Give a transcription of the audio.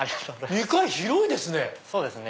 ２階広いですね！